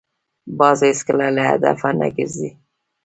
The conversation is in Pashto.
باز هېڅکله له هدفه نه ګرځي